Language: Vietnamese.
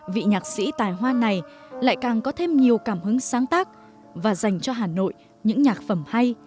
vị nhạc sĩ tài hoa này lại càng có thêm nhiều cảm hứng sáng tác và dành cho hà nội những nhạc phẩm hay